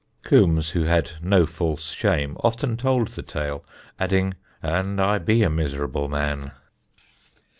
Coombs, who had no false shame, often told the tale, adding, "And I be a miserable man."